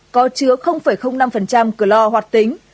có chứa năm clor hoạt tính